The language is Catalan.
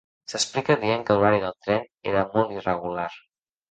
S'explica dient que l'horari del tren era molt irregular.